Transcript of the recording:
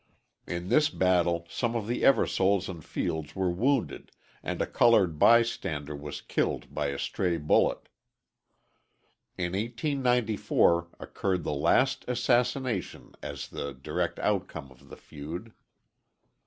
In this battle some of the Eversoles and Fields were wounded, and a colored bystander was killed by a stray bullet. In 1894 occurred the last assassination as the direct outcome of the feud.